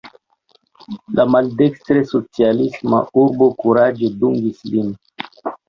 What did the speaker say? La maldekstre socialisma urbo kuraĝe dungis lin.